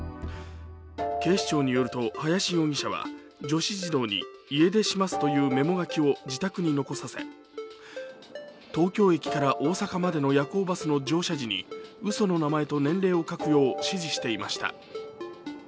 警視庁によると、林容疑者は女子児童に「家出します」というメモ書きを自宅に残させ東京駅から大阪までの夜行バスの乗車時にうその名前と年齢を書くよう指示していました。